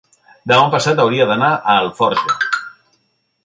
demà passat hauria d'anar a Alforja.